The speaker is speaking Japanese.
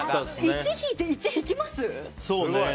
１引いて、１引きます？